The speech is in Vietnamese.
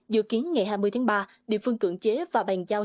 dự kiến ngày hai mươi tháng ba địa phương cưỡng chế và bàn giao